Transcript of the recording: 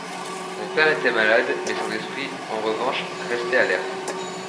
Mon père était malade, mais son esprit, en revanche, restait alerte.